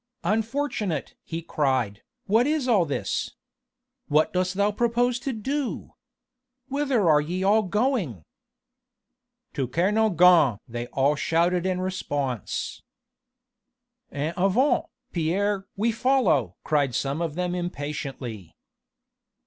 "Unfortunate!" he cried, "what is all this? What dost thou propose to do? Whither are ye all going?" "To Kernogan!" they all shouted in response. "En avant, Pierre! we follow!" cried some of them impatiently.